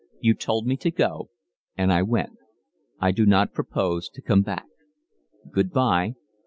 You told me to go and I went. I do not propose to come back. Good bye.